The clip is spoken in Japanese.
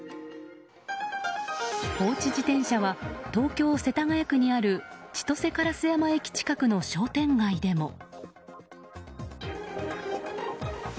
放置自転車は東京・世田谷区にある千歳烏山駅近くの商店街でも。